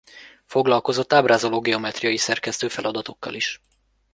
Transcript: Foglalkozott ábrázoló geometriai szerkesztő feladatokkal is.